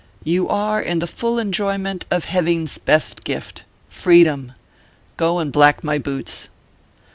You are in the full enjoyment of Heving s best gift Freedom ! Go and black my boots."